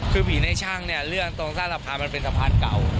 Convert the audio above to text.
คือผีในช่างเนี่ยเรื่องตรงใต้สะพานมันเป็นสะพานเก่า